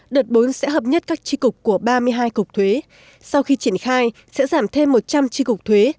đợt bốn sẽ hợp nhất các tri cục của ba mươi hai cục thuế sau khi triển khai sẽ giảm thêm một trăm linh tri cục thuế